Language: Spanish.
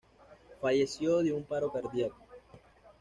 Falleció de un paro cardíaco.